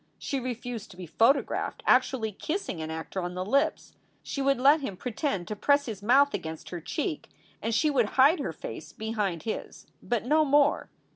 She refused to be photographed actually kissing an actor on the lips. She would let him pretend to press his mouth against her cheek, and she would hide her face behind his but no more.